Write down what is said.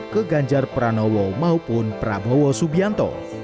ke ganjar pranowo maupun prabowo subianto